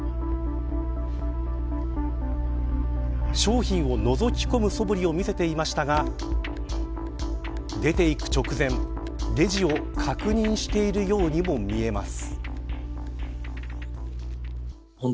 商品をのぞきこむそぶりを見せていましたが出て行く直前レジを確認しているようにも見えます。